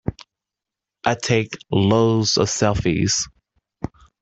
I take loads of selfies.